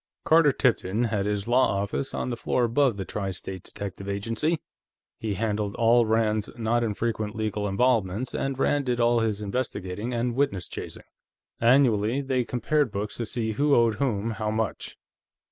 Carter Tipton had his law office on the floor above the Tri State Detective Agency. He handled all Rand's not infrequent legal involvements, and Rand did all his investigating and witness chasing; annually, they compared books to see who owed whom how much.